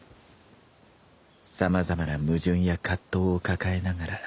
様々な矛盾や葛藤を抱えながら君は。